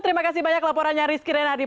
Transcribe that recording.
terima kasih banyak laporannya rizky renadi